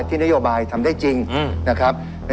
ตั้งจะทำงาน